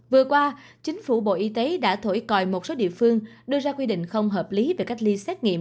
vừa qua chính phủ bộ y tế đã thổi còi một số địa phương đưa ra quy định không hợp lý về cách ly xét nghiệm